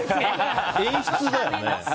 演出だよね。